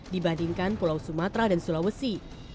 dibandingkan pulau sumatera dan sulawesi